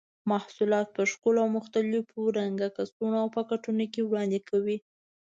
محصولات په ښکلو او مختلفو رنګه کڅوړو او پاکټونو کې وړاندې کوي.